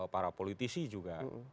para politisi juga